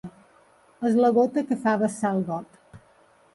És la gota que fa vessar el got.